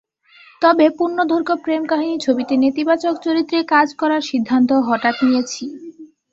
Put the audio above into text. তবে পূর্ণদৈর্ঘ্য প্রেমকাহিনি ছবিতে নেতিবাচক চরিত্রে কাজ করার সিদ্ধান্ত হঠাৎ করে নিয়েছি।